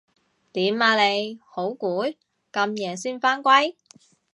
點啊你？好攰？咁夜先返歸